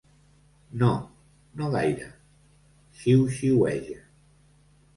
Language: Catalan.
No... no gaire —xiuxiueja.